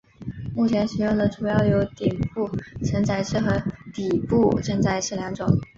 目前使用的主要有顶部承载式和底部承载式两种。